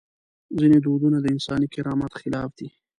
ځینې دودونه د انساني کرامت خلاف دي.